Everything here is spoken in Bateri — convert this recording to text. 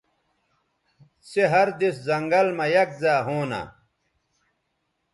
سے ہر دِس زنگل مہ یک زائے ہونہ